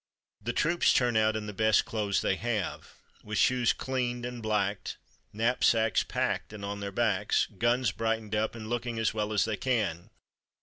The troops turn out in the best clothes they have, with shoes cleaned and blacked, knapsacks packed and on their backs, guns brightened up, and looking as well as they can.